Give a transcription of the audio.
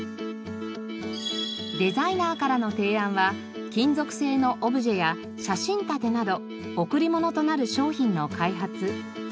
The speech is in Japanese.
デザイナーからの提案は金属製のオブジェや写真立てなど贈り物となる商品の開発。